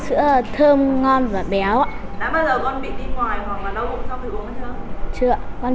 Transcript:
đã bao giờ con bị đi ngoài hoặc đau bụng sau khi uống sữa không